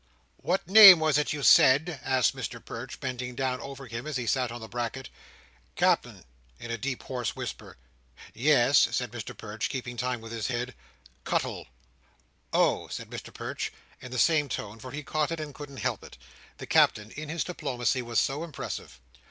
"What name was it you said?" asked Mr Perch, bending down over him as he sat on the bracket. "Cap'en," in a deep hoarse whisper. "Yes," said Mr Perch, keeping time with his head. "Cuttle." "Oh!" said Mr Perch, in the same tone, for he caught it, and couldn't help it; the Captain, in his diplomacy, was so impressive.